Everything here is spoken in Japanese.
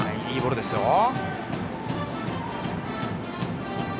いいボールですよ。